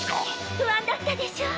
不安だったでしょう！